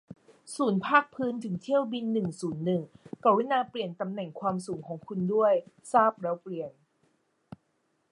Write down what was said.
ศูนย์ภาคพื้นถึงเที่ยวบินหนึ่งศูนย์หนึ่ง กรุณาเปลี่ยนตำแหน่งความสูงของคุณด้วย ทราบแล้วเปลี่ยน